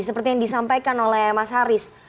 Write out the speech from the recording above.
seperti yang disampaikan oleh mas haris